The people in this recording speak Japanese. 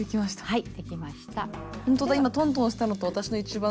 はい。